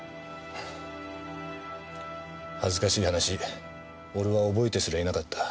恥ずかしい話俺は覚えてすらいなかった。